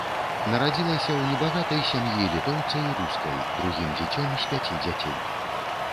Нарадзілася ў небагатай сям'і літоўца і рускай другім дзіцем з пяці дзяцей.